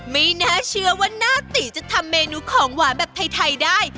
ไม่น่าเชื่อว่าหน้าตีจะทำเมนูของหวานแบบไทยได้